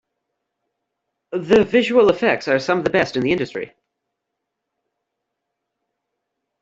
The visual effects are some of the best in the industry.